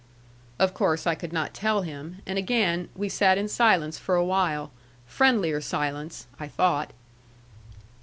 Of course I could not tell him. And again we sat in silence for a while friendlier silence, I thought.